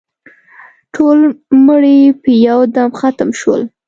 ټول مړي په یو دم ختم شول.